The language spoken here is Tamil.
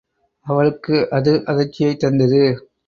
அவளுக்கு அது அதிர்ச்சியைத்தந்தது.